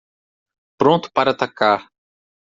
Pronto para atacar